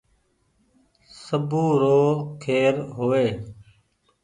سبو رو کير هووي